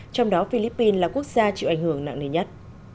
trong đó philippines là quốc gia chịu ảnh hưởng nặng nề nhất